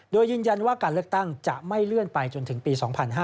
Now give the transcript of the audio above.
โดยยืนยันว่าการเลือกตั้งจะไม่เลื่อนไปจนถึงปี๒๕๕๙